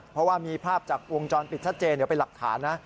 เพราะว่ามีภาพจากวงจรปิดชัดเจนเดี๋ยวเป็นหลักฐานนะ